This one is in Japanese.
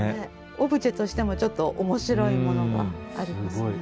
オブジェとしてもちょっと面白いものがありますね。